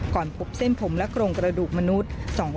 ก่อนพบเส้นผมและกลงกระดูกมนุษย์